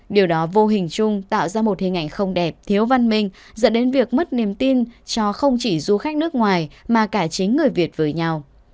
điều đó vô hình chung tạo ra một hình ảnh không đẹp thiếu văn minh dẫn đến việc mất niềm tin cho không chỉ du khách nước ngoài mà cả chính người việt với nhau